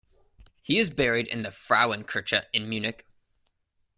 He is buried in the Frauenkirche in Munich.